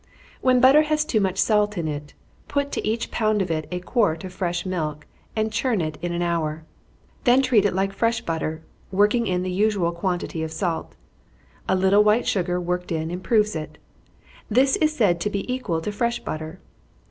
_ When butter has too much salt in it, put to each pound of it a quart of fresh milk, and churn it an hour; then treat it like fresh butter, working in the usual quantity of salt. A little white sugar worked in, improves it. This is said to be equal to fresh butter.